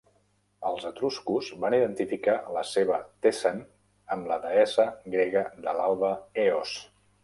Els etruscos van identificar la seva Thesan amb la deessa grega de l'alba Eos.